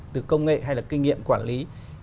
từ công nghệ hay là kinh nghiệm quản lý